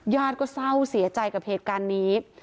ก็เศร้าเสียใจกับเหตุการณ์นี้